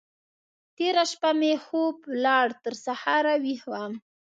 تېره شپه مې خوب ولاړ؛ تر سهار ويښ وم.